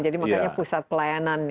jadi makanya pusat pelayanan ya